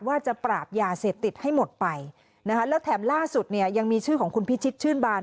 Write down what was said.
ว่าจะปราบยาเศษติดให้หมดไปแถมล่าสุดยังมีชื่อของคุณพิชิชชื่นบาล